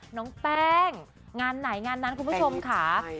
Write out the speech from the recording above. น้องแป้งงานไหนงานนั้นคุณผู้ชมค่ะ